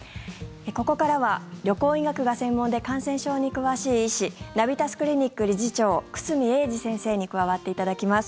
ここからは旅行医学が専門で感染症に詳しい医師ナビタスクリニック理事長久住英二先生に加わっていただきます。